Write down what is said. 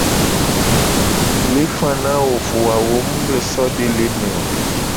Mu le fa na wo a vo a wo mu le so de le eme o.